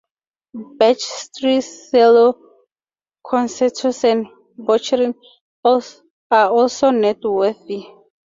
Bach's three cello concertos and Boccherini's are also noteworthy.